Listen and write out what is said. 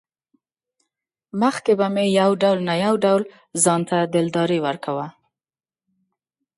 مخکې به مې يو ډول نه يو ډول ځانته دلداري ورکوه.